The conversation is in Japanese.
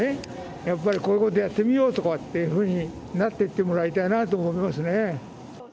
やっぱり、こういうことをやってみようとか言うふうになっていってもらいたいなと思いますね。